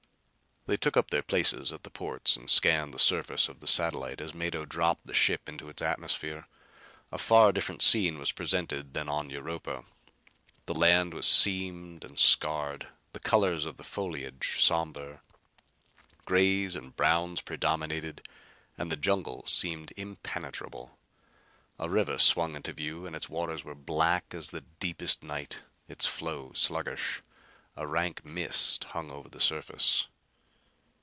They took up their places at the ports and scanned the surface of the satellite as Mado dropped the ship into its atmosphere. A far different scene was presented than on Europa. The land was seamed and scarred, the colors of the foliage somber. Grays and browns predominated and the jungles seemed impenetrable. A river swung into view and its waters were black as the deepest night, its flow sluggish. A rank mist hung over the surface.